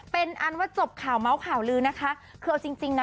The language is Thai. เป็นอันว่าจบข่าวเมาส์ข่าวลือนะคะคือเอาจริงจริงนะ